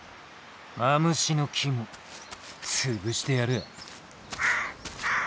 マムシの肝潰してやる！